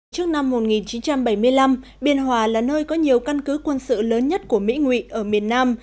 trước năm một nghìn chín trăm bảy mươi năm biên hòa là nơi có nhiều căn cứ quân sự lớn nhất của mỹ nguyện ở miền nam